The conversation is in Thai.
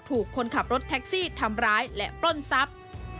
คนขับรถแท็กซี่ทำร้ายและปล้นทรัพย์